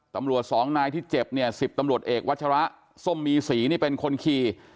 ตำรวจ๒นายที่เจ็บ๑๐ตำรวจเอกวัชราส้มมีสีนี่เป็นคนขี่